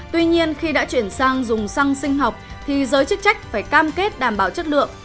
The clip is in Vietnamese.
tuy nhiên khi đã chuyển sang dùng săng sinh học thì giới chức trách phải cam kết đảm bảo chất lượng